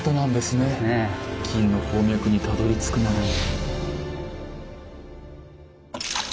金の鉱脈にたどりつくまでの。